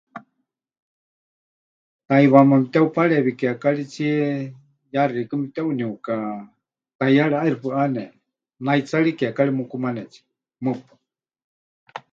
Taʼiwaáma memɨteupareewi kiekaritsie yaxeikɨ́a memɨteʼuniuka, taʼiyaari ʼaixɨ pɨʼane naitsarie kiekari mukumanetsie, mɨpaɨ.